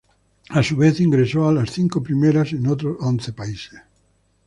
A su vez ingresó a las cinco primeras en otros once países.